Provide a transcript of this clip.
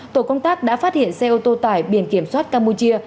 tổ công tác đã phát hiện xe ô tô tải biển kiểm soát campuchia